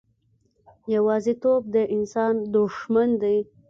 یوازیتوب د انسان دښمن دی.